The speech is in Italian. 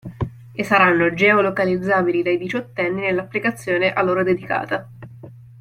E saranno geo-localizzabili dai diciottenni nell'applicazione a loro dedicata.